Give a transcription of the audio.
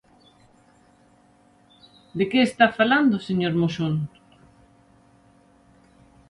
¿De que está falando, señor Moxón?